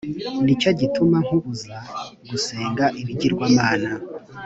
ni cyo gituma nkubuza kusenga ibigirwamana